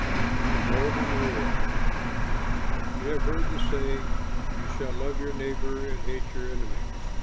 THE GOLDEN RULE "You have heard the saying, 'You shall love your neighbor and hate your enemy.'